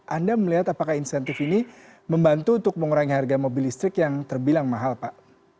anda melihat apakah insentif ini membantu untuk mengurangi harga mobil listrik yang terbilang mahal pak